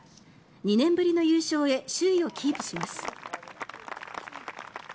２年ぶりの優勝へ首位をキープします。